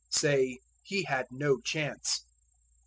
Say, He had no chance.